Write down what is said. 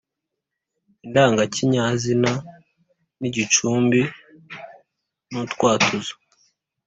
indangakinyazina nigicumbi nu twatuzo